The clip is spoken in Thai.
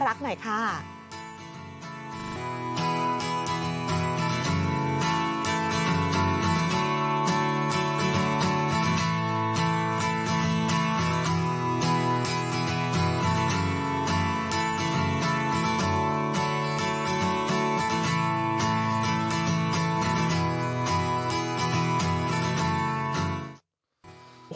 อีกนิดนึงหน้าขาวปากแดงลองดูเหมาะให้น้ำแดงของการดู